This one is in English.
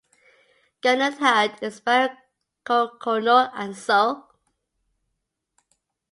Gunudhud in Barrio Coroconog and So.